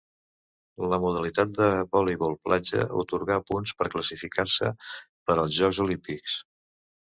La modalitat de voleibol platja atorgà punts per classificar-se per als Jocs Olímpics.